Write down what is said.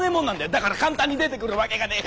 だから簡単に出てくるわけがねー。